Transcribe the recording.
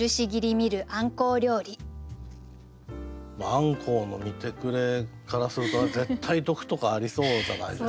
アンコウの見てくれからすると絶対毒とかありそうじゃないですか。